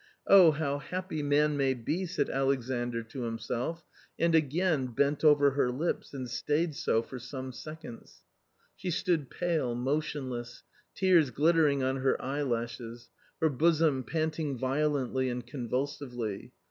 ^"" Oh, how happy man may be !" said Alexandr to himself, and again bent over her lips and stayed so for some seconds. She stood pale, motionless, tears glittering on her eye lashes, her bosom panting violently and convulsively.